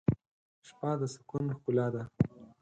شپه د سکون ښکلا ده.